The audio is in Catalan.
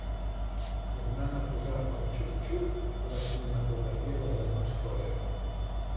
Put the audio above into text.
Tornant a posar al xup xup la cinematografia dels germans Coen.